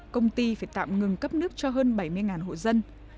công ty phải tạm ngừng cấp nước cho hơn bảy mươi hộ dân